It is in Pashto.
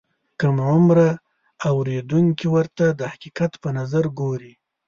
کم عمره اورېدونکي ورته د حقیقت په نظر ګوري.